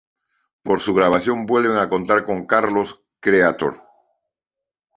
Para su grabación vuelven a contar con Karlos Creator.